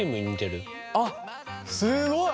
あっすごい！